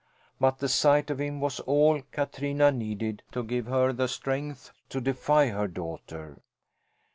But the sight of him was all Katrina needed to give her the strength to defy her daughter.